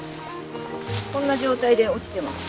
こんな状態で落ちてます。